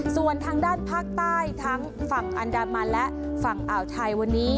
ส่วนทางด้านภาคใต้ทั้งฝั่งอันดามันและฝั่งอ่าวไทยวันนี้